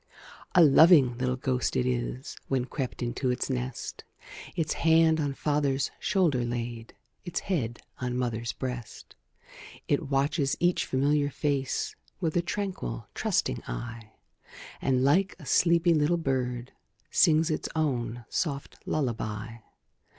A loving little ghost it is: When crept into its nest, Its hand on father's shoulder laid, Its head on mother's breast, It watches each familiar face, With a tranquil, trusting eye; And, like a sleepy little bird, Sings its own soft lullaby.